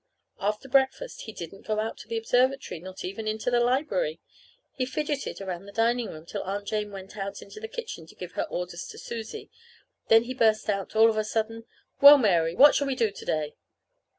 After breakfast he didn't go out to the observatory, not even into the library. He fidgeted around the dining room till Aunt Jane went out into the kitchen to give her orders to Susie; then he burst out, all of a sudden: "Well, Mary, what shall we do to day?"